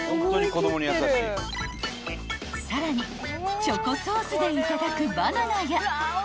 ［さらにチョコソースでいただく］